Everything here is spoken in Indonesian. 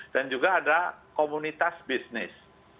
dan juga ada komunitas bisnis